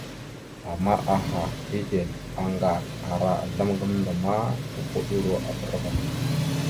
Ama aha, eɗel, aŋgar ara azzlam gamənda ma tupoɗoro ere bra ava.